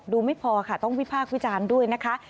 ไม่พอค่ะต้องวิพากษ์วิจารณ์ด้วยนะคะ